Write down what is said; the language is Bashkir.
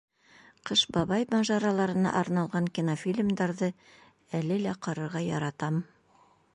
Ҡыш бабай мажараларына арналған кинофильмдарҙы әле лә ҡарарға яратам.